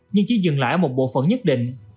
nhưng chỉ dừng lại một bộ phận nhất định